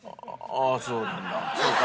ああそうなんだ。